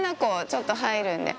ちょっと入るんで。